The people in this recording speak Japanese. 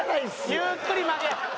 ゆっくり曲げえ。